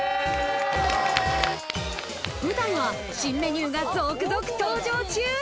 舞台は新メニューが続々登場中。